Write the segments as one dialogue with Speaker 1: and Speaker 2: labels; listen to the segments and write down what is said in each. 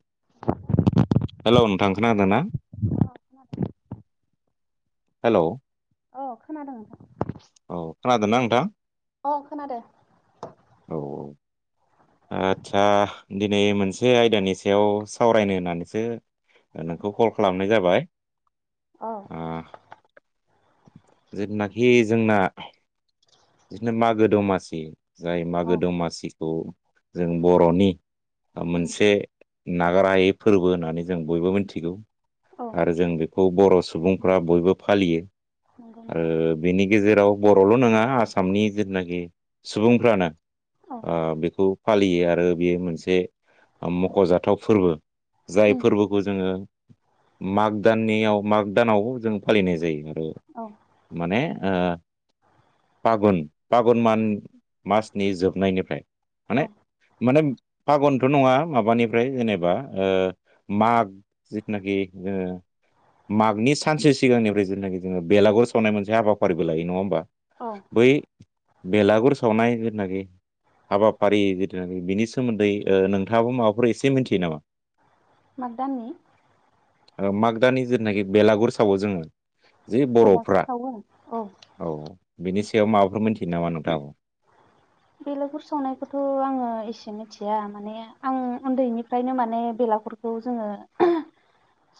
Speaker 1: [inaudible]
Speaker 2: हेल' नोंथां खोनादों ना।
Speaker 1: खोनादों।
Speaker 2: हेल'।
Speaker 1: औ खोनादों नोंथां।
Speaker 2: औ खोनादोंना नोंथां।
Speaker 1: अ खोनादों।
Speaker 2: औ औ। आदसा दिनै मोनसे आयदानि सायाव सावरायनो होननानैसो। नोंखौ कल खालामनाय जाबाय।
Speaker 1: नोंथां। अ
Speaker 2: ओ जेबनाखि जोंना। बिदिनो मागो दमासि जाय मागो दमासिखौ जों बर'नि।
Speaker 1: खोनादो।
Speaker 2: मोनसे नागारायै फोरबो होननानै जों बयबो मिथिगौ।
Speaker 1: औ
Speaker 2: आरो जों बेखौ बर' सुबुंफ्रा बयबो फालियो।
Speaker 1: नंगौ
Speaker 2: आरो
Speaker 1: नोंथां
Speaker 2: बेनि गेजेराव बर'ल' नङा आसाम। आसामनि जेुथुनाखि सुबुंफ्रानो। ओ बेखौ फालियो आरो बेयो मोनसे। मख'जाथाव फोरबो जाय
Speaker 1: औ
Speaker 2: फोरबोखौ जोङो। माग दाननियाव माग दानावबो जों फालिनाय जायो। औ माने ओ। फागुन फागुन मान मासनि जोबनायनिफ्राय
Speaker 1: औ
Speaker 2: माने। माने फागुनथ' नङा माबानिफ्राय जेनेबा माग जिथुनाखि। ओ। मागनि सानसे सिगांनिफ्राय जेनाखि जोङो बेलागुर सावनाय मोनसे हाबाफारिबो लायो नङा होमबा।
Speaker 1: अ।
Speaker 2: बै बेलागुर सावनाय जेनाखि। हाबाफारि जथुनाखि बिनि सोमोन्दै ओ नोंथाङाबो माबाफोर एसे मिथियो नामा।
Speaker 1: मागदाननि।
Speaker 2: मागदानि जेनाखि बेलागुर सावो जोङो। जे
Speaker 1: बेलागुर
Speaker 2: बर'फ्रा
Speaker 1: सावो औ
Speaker 2: औ बिनि सायाव माबाफोर मोनसे।
Speaker 1: बेलागुर सावनायखौथ' आङो एसे। मिथिया माने आं उन्दैनिफ्रायनो माने बेलागफोरखौ जोङो।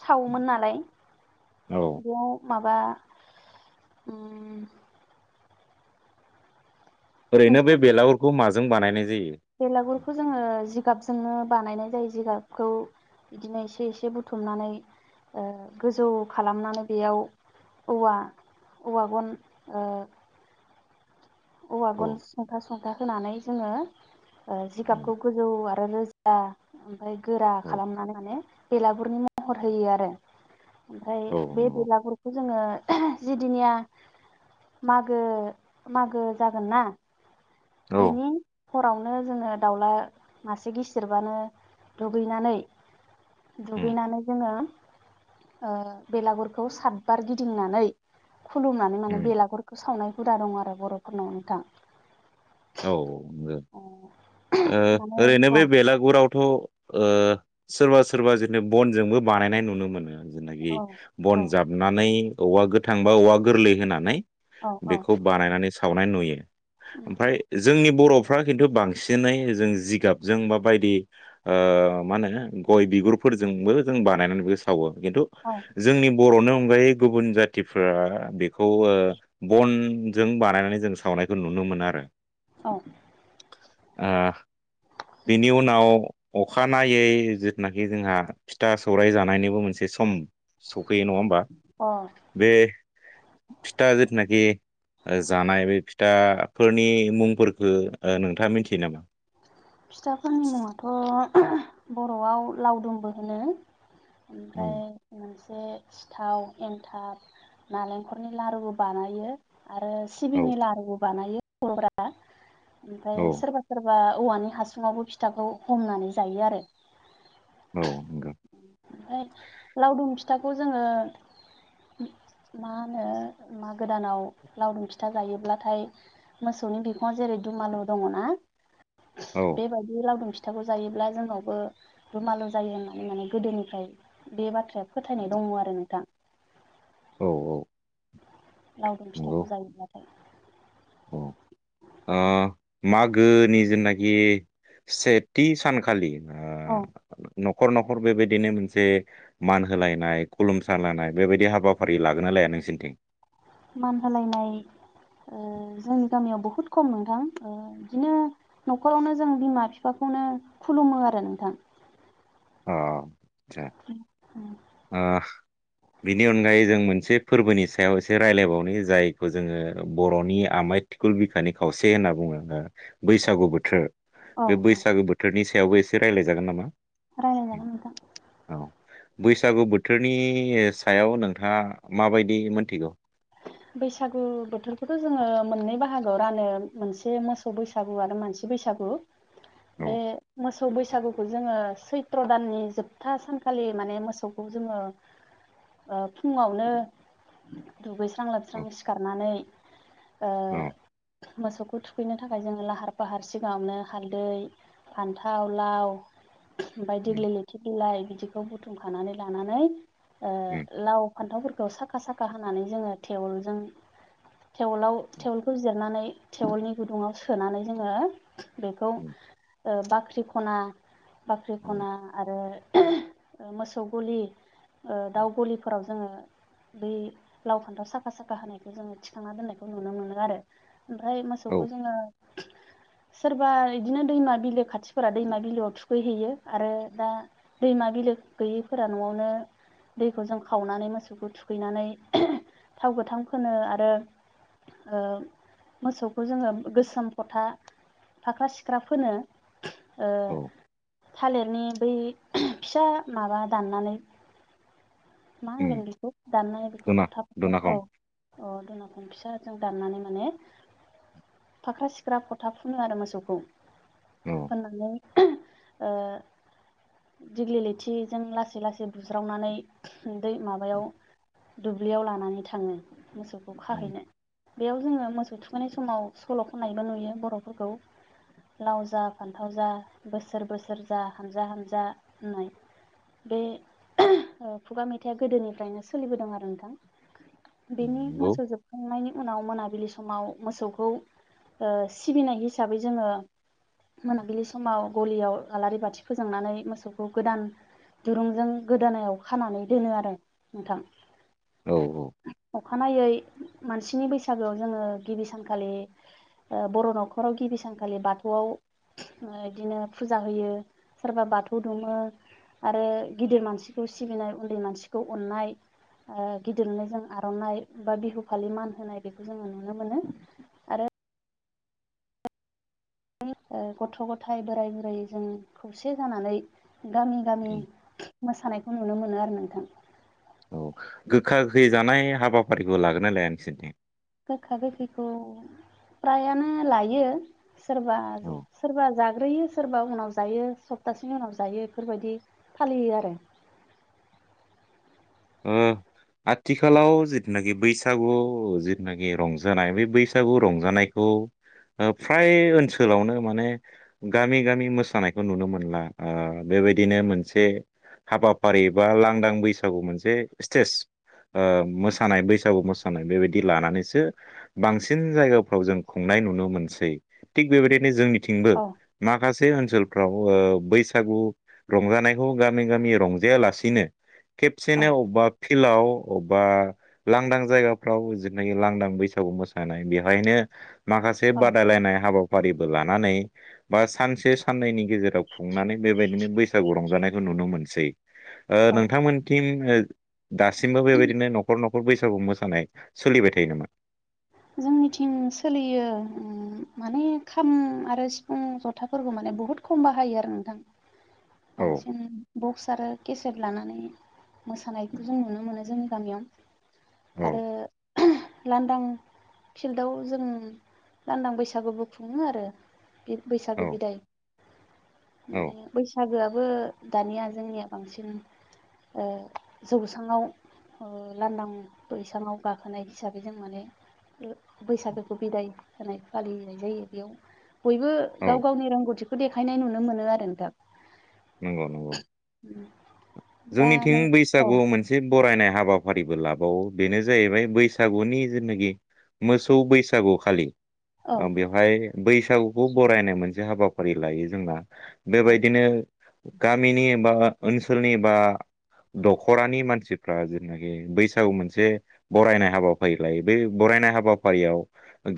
Speaker 1: सावोमोन नालाय
Speaker 2: औ
Speaker 1: बेयाव। माबा उम।
Speaker 2: ओरैनो
Speaker 1: मोनसे
Speaker 2: बे बेलागुरखौ माजों बानायनाय जायो।
Speaker 1: बेलागुरखौ जोङो जिगाब जों। जोंनो बानायनाय जायो जिगाबखौ बिदिनो एसे एसे बुथुमनानै। गोजौ खालामनानै बेयाव। औवा औवा गन ओ। औव
Speaker 2: औ
Speaker 1: गन सुंथा सुंथा होनानै जोङो
Speaker 2: उम
Speaker 1: जिगाबखौ गोजौ आरो। आरो रोजा ओमफ्राय गोरा
Speaker 2: औ
Speaker 1: खालामनानै माने। बेलागुरनि महर होयो आरो ओमफ्राय
Speaker 2: औ
Speaker 1: बे
Speaker 2: नंगौ
Speaker 1: बेलागुरखौ जोङो। जिदिनिया मागो मागो जागोनना।
Speaker 2: औ
Speaker 1: बिनि। हरावनो जोङो दाउला मासे गिसिरबानो दुगैनानै।
Speaker 2: उम
Speaker 1: दुगैनानै जोङो। बेलागुरखौ सातबार गिदिंनानै। खुलुमनानै
Speaker 2: उम
Speaker 1: माने
Speaker 2: औ
Speaker 1: बेलागुरखौ सावनाय हुदा दं आरो बर'फोरनाव नोंथां।
Speaker 2: औ औ नोंगौ
Speaker 1: माने
Speaker 2: ओरैनो
Speaker 1: औ
Speaker 2: बे बेलागुराव थ ओ' सोरबा सोरबा जेनु बनजोंबो बानायनाय नुनो मोनो। जेनाखि
Speaker 1: औ
Speaker 2: बन
Speaker 1: औ
Speaker 2: जाबनानै औवा गोथां बा औवा गोरलै होनानै।
Speaker 1: औ
Speaker 2: बेखौ बानायनानै सावनाय नुयो ओमफ्राय जोंनि बर'फ्रा खिन्थु बांसिनै जों जिगाबजों बा बायदि ओ मा होनो गय बिगुरफोरजोंबो जों बानायनानै बेखौ सावो खिन्थु
Speaker 1: औ
Speaker 2: जोंनि बर'नि अनगायै गुबुन जाथिफोरा बेखौ बनजों बानायनानै जों सावनायखौ नुनो मोन आरो।
Speaker 1: औ
Speaker 2: आ बेनि उनाव अखानायै जिथुनाखि जोंहा फिथा सौराय जानायनिबो मोनसे सम सफैयो नङा होमबा
Speaker 1: अ
Speaker 2: बे फिथा जिथुनाखि जानाय बे फिथाफोरनि मुंफोरखौ नोंथाङा मिथियो नामा
Speaker 1: फिथाफोरनि मुङाथ' बर'आव लावदुमबो होनो ओमफ्राय
Speaker 2: उम
Speaker 1: मा एसे सिथाव एन्थाब नालेंखलनि लारुबो बानायो। आरो
Speaker 2: औ
Speaker 1: सिबिंनि लारुबो बानायो बरर'फ्रा ओमफ्राय
Speaker 2: औ
Speaker 1: सोरबा सोरबा औवानि हासुुंआवबो फिथाखौ हमनानै जायो आरो
Speaker 2: औ नंगौ
Speaker 1: ओमफ्राय लावदुम फिथाखौ जोङो मा होनो मा गोदानाव लावदुम फिथा जायोब्लाथाय मोसौनि बिखुंआव जेरै दुमालु दङना
Speaker 2: औ
Speaker 1: बेबायदि लावदुम फिथाखौ जायोब्ला जोंनावबो दुमालु जायो होनना माने गोदोनिफ्राय बे बाथ्राया फोथायनाय दङ आरो नोंथां।
Speaker 2: औ औ
Speaker 1: लावदुम
Speaker 2: नंगौ
Speaker 1: फिथाखौ जायोब्लाथाय
Speaker 2: औ ओ मागोनि जेनाखि सेथि सानखालि
Speaker 1: औ
Speaker 2: न'खर न'खर बेबायदिनो मोनसे मान होलायनाय खुलुमसा लायानाय बेबायदि हाबाफारि लागोना लाया? नोंसोन्थिं
Speaker 1: मान होलायनाय ओ जोंनि गामियाव बहुद खम नोंथां ओ बिदिनो न'खरावनो जों बिमा बिफाखौ नो खुलुमो आरो नोंथां
Speaker 2: अ सा अ बिनि अनगायै जों मोनसे फोरबोनि सायाव एसे रायज्लायबावनो जायखौ जोङो बर'नि आमाइ थिकुल बिखानि खावसे होनना बुङो। बैसागु बोथोर
Speaker 1: औ
Speaker 2: बे
Speaker 1: औ
Speaker 2: बैसागु बोथोरनि सायावबो एसे रायज्लायजागोन नामा?
Speaker 1: रायलाय जागोन नोंथां।
Speaker 2: औ बैसागु बोथोरनि सायाव नोंथाङा माबायदि मोनथिगौ?
Speaker 1: बैसागु बोथोरखौथ' जोङो मोननै बाहागोआव रानो मोनसे मोसौ बैसागु आरो मानसि बैसागु
Speaker 2: औ
Speaker 1: बे मो मोसौ बैसागुखौ जोङो सैथ्र' दाननि जोबथा सानखालि माने मोसौखौ जोङो फुङावनो दुगैस्रां
Speaker 2: औ
Speaker 1: लोबस्रां सिखारनानै ओ
Speaker 2: औ
Speaker 1: मोसौखौ थुखैनो थाखाय जोङो लाहार फाहार सिगाङावनो हालदै फान्थाव लाव ओमफाय
Speaker 2: उम
Speaker 1: दिेग्लि लिथि बिलाइ बिदिखौ बुथुमखानानै लानानै ओ
Speaker 2: उम
Speaker 1: लाव फान्थावफोरखौ साखा साखा होनानै जोङो टेवलजों तेवलाव टेवोलखौ जिरनानै टेवोलनि गुदुङाव सोनानै जोङो। बेखौ
Speaker 2: उम
Speaker 1: बाख्रि खना बाख्रि
Speaker 2: उम
Speaker 1: खना आरो मोसौ गलि दाउ
Speaker 2: उम
Speaker 1: गलिफोराव जोङो बै लाव फान्थाव साखा साखा हानायखौ जोङो थिखांना दोननायखौ नुनो मोनो आरो ओमफ्राय मोसौखौ
Speaker 2: औ
Speaker 1: जोङो [inaudible] सोरबा बिदिनो दैमा बिलो खाथिफोरा दैमा बिलोआव थुखैहैयो आरो दा दैमा बिलो गैयैफोरा न'आवनो दैखौ जों खावनानै मोसौखौ थुखैनानै थाव गोथां फोनो आरो मोसौखौ जोङो गोसोम फथा फाख्रा सिख्रा फोनो।
Speaker 2: औ
Speaker 1: थालिरनि बै फिसा माबा दाननानै मा
Speaker 2: उम
Speaker 1: होनगोन बेखौ दाननाय बेखौ
Speaker 2: दना
Speaker 1: फथा फथा औ
Speaker 2: दनाखं
Speaker 1: औ दनाखन फिसाजों दाननानै माने फाख्रा सिख्रा फथा फुनो आरो मोसौखौ
Speaker 2: औ
Speaker 1: फोनानै दिग्लि लिथिजों लासै लासै बुज्रावनानै दै माबायाव दुब्लियाव लानानै थाङो मोसौखौ
Speaker 2: उम
Speaker 1: खाहैनो बेयाव जोङो मोसौ थुखैनाय समाव सल' खनायबो नुयो बर'फोरखौ। लाव जा फान्थाव जा बोसोर बोसोर जा हानजा हानजा होननाय। बे ओ खुगा मेथाइआ गोदोनिफ्रायनो सोलिबोदों आरो नोंथां
Speaker 2: उम
Speaker 1: बेनि
Speaker 2: नंगौ
Speaker 1: मोसौ जोबखांनायनि उनाव मोनाबिलि समाव मोसौखौ सिबिनाय हिसाबै जोङो मोनाबिलि समाव गलियाव आलारि बाथि फोजोंनानै मोसौखौ गोदान दुरुंजों गोदोनायाव खानानै दोनो आरो नोंथां
Speaker 2: औ औ
Speaker 1: अखानायै मानसिनि बैसागोआव जोङो गिबि सानखालि बर' न'खराव गिबि सानखालि बाथौआव बिदिनो फुजा होयो सोरबा बाथौ दुमो। आरो गिदिर मानसिखौ सिबिनाय उन्दै मानसिखौ अननाय। गिदिरनो जों आर'नाइ बा बिहु फालि मान होनाय बेखौ जोङो नुनो मोनो आरो गथ' गथाय बोराय बुरै जों खौसे जानानै गामि गामि
Speaker 2: उम
Speaker 1: मोसानायखौ नुनो मोनो आरो नोंथां।
Speaker 2: औ गोखा गोखै जानाय हाबाफारिखौ लागोन ना लाया नोंसोरनिथिं?
Speaker 1: गोखा गोखैखौ फ्रायानो लायो। सोरबा
Speaker 2: औ
Speaker 1: सोरबा जाग ग्रोयो सोरबा उनाव जायो सप्तासेनि उनाव जायो बेफोरबायदि फालियो आरो।
Speaker 2: ओ आथिखालाव जिथुनाखि बैसागु जिथुनाखि रंजानाय बे बैसागु रंजानायखौ औ। ओ फ्राय ओनसोलावनो माने गामि गामि मोसानायखौ नुनो मोनला ओ बे बेबायदिनो मोनसे हाबाफारि बा लांदां बैसागु मोनसे स्टेज ओ मोसानाय बैसागु मोसानाय बेबायदि लानानैसो बांसिन जायगाफ्राव जों खुंनाय नुनो मोनसै। थिग बेबायदिनो जोंनिथिंबो
Speaker 1: औ
Speaker 2: माखासे ओनसोलफ्राव बैसागु रंजानायखौ गामि गामि रंजायालासिनो खेब
Speaker 1: औ
Speaker 2: सेनो अबाब फिल्डआव अबबा लांदां जायगाफ्राव जेनाखि लांदां बैसागु मोसानाय बेवहायनो माखासे
Speaker 1: औ
Speaker 2: बादायलायनाय हाबाफारिबो लानानै बा सानसे साननैनि गेजेराव खुंनानै बेबायदिनो बैसागु रंजानायखौ नुनो मोनसै। ओ
Speaker 1: औ
Speaker 2: नोंथांमोनथिं ओ दासिमबो बेबायदिनो न'खर न'खर बैसागु मोसानाय सोलिबाय थायो नामा?
Speaker 1: जोंनिथिं सोलियो माने खाम आरो सिफुं जथाफोरखौ माने बहुत खम बाहायो आरो नोंथां।
Speaker 2: औ
Speaker 1: बांसिन बक्स आरो केसेट लानानै मोसानायखौ जों नुनो मोनो जोंनि गामियाव,
Speaker 2: औ
Speaker 1: आरो लांदां फिल्डआव जों लांदां बैसागुबो खुङो आरो।
Speaker 2: औ
Speaker 1: बैसागो बिदाय।
Speaker 2: औ
Speaker 1: माने बैसागोआबो दानिया जोंनिया बांसिन ओ जौसाङाव ओ लांदां बैसाङाव गाखोनाय हिसाबै जों माने ओ बैसागोखौ बिदाय होनाय फालिनाय जायो बेयाव बयबो
Speaker 2: औ
Speaker 1: गाव गावनि रोंगौथिखौ देखायनाय नुनो मोनो आरो नोंथां।
Speaker 2: नंगौ नंगौ।
Speaker 1: दा
Speaker 2: जोंनिथिं
Speaker 1: नों औ
Speaker 2: बैसागुआव मोनसे बरायनाय हाबाफारिबो लाबावो बेनो जाहैबाय बैसागुनि जेनाखि मोसौ बैसागुखालि
Speaker 1: औ
Speaker 2: ओ बेवहाय बैसागुखौ बरायनाय मोनसे हाबाफारि लायो जोंना।
Speaker 1: औ
Speaker 2: बेबायदिनो गामिनि बा ओ-ओनसोलनि बा दख'रानि मानसिफ्रा जेनाखि बैसागु मोनसे बरायनाय हाबाफारि लायो। बेै बराय नाय हाबाफारियाव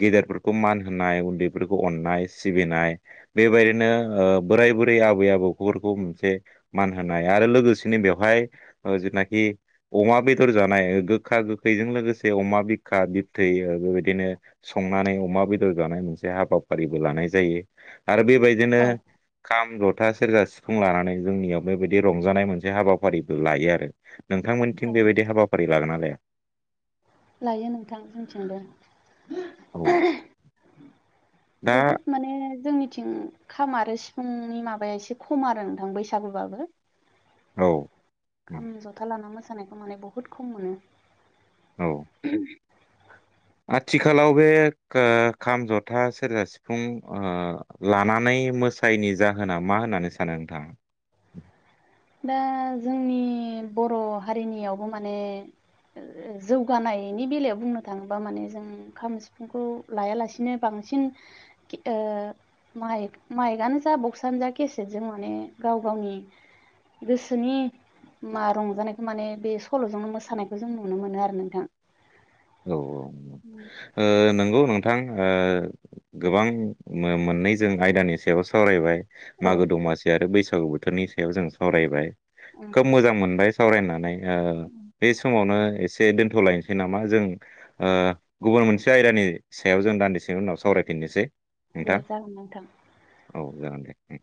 Speaker 2: गेदेरफोरखौ मान होनाय उन्दैफोरखौ अननाय सिबिनाय बे बायदिनो ओ बोराय बुरै आबै आबौफोरखौ मोनसे मान होनाय आरो लोगोसे बेवहाय जेथनाखि अमा बेदर जानाय गो गोखा गोखैजों लोगोसे अमा बिखा बिथै ओ बेबायदि दिनो संनानै अमा बेदर जानाय मोनसे हाबाफारिबो लानाय जायो। आरो बेबायदिनो
Speaker 1: औ
Speaker 2: खाम, जथा, सेरजा, सिफुं लानानै जोंनियाव बेबायदि रंजानाय मोनसे हाबाफारिबो लायो आरो।
Speaker 1: औ
Speaker 2: नोंथांमोननिथिं बेबायदि हाबाफारि लागोन ना लाया?
Speaker 1: लायो नोंथां
Speaker 2: औ
Speaker 1: जोंनिथिंबो?
Speaker 2: दा
Speaker 1: बहुत माने जोंनिथिं खाम आरो सिफुंनि माबाया एसे खम आरो नोंथां बैसागुबाबो।
Speaker 2: औ
Speaker 1: खाम, जथा लाना मोसानायखौ माने बहुत खम मोनो। [inaudible]
Speaker 2: औ आथिखालाव बे खो खाम, जथा, सेरजा, सिफुं ओ लानानै मोसायैनि जाहोना मा होननानै सानो नोंथाङा?
Speaker 1: दा जोंनि बर' हारिनियावबो माने ओ जौगानायनि बेलायाव बुंनो थाङोबा माने जोंं खाम, सिफुंखौ लायालासिनो बां सिन खि ओ माइक माइकआनो जा बक्सआानो जा केसेटजों माने गाव गावनि गोसोनि मा रंजानायखौ माने बे सल'जोंनो मोसानायखौ जों नुनो मोनो आरो नोंथां
Speaker 2: औ औ ओ नंगौ नों थां ओ गोबां मोननै जों आयदानि सायाव सावरायबाय
Speaker 1: औ
Speaker 2: मागो दमासि आरो बैसागु बोथोरनि सायाव जों सावरायबाय खोब मोजां मोनबाय सावरायनानै बे समावनो एसे दोनथ'लायनोसै नामा जों ओ गुबुन मोनसे आयदानि सायाव जों दान्दिसेनि उनाव सावरायफिननोसै
Speaker 1: दे
Speaker 2: नोंथा
Speaker 1: जागोन नोंथां।
Speaker 2: औ जागोन दे